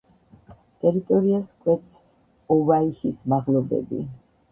ტერიტორიას კვეთს ოვაიჰის მაღლობები.